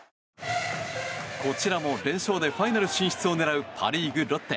こちらも連勝でファイナル進出を狙うパ・リーグ、ロッテ。